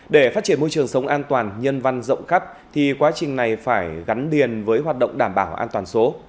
để phát triển môi trường sống an toàn nhân văn rộng khắp thì quá trình này phải gắn liền với hoạt động đảm bảo an toàn số